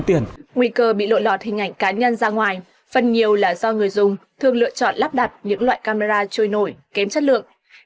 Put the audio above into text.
phần nhiều là do người dùng thường lựa chọn lắp đặt những loại camera trôi nổi kém chất lượng